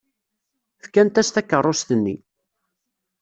Fkant-as takeṛṛust-nni.